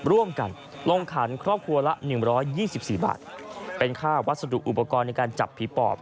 ร่วมกันลงขันครอบครัวละ๑๒๔บาทเป็นค่าวัสดุอุปกรณ์ในการจับผีปอบ